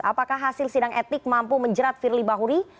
apakah hasil sidang etik mampu menjerat firly bahuri